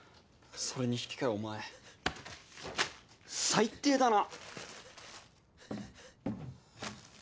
それに引き換えお前最低だな！